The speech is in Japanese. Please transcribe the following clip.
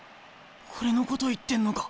これのこと言ってんのか？